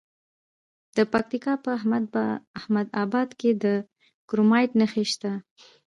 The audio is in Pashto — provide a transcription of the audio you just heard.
د پکتیا په احمد اباد کې د کرومایټ نښې شته.